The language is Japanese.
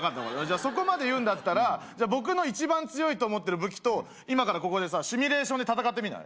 そこまで言うんだったら僕の一番強いと思ってる武器と今からここでさシミュレーションで戦ってみない？